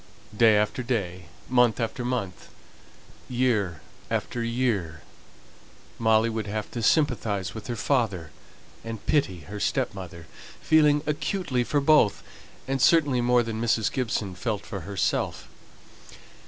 Day after day, month after month, year after year, would Molly have to sympathize with her father, and pity her stepmother, feeling acutely for both, and certainly more than Mrs. Gibson felt for herself.